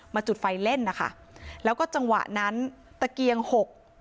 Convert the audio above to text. จุดไฟเล่นนะคะแล้วก็จังหวะนั้นตะเกียงหก